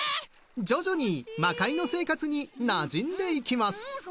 徐々に魔界の生活になじんでいきます。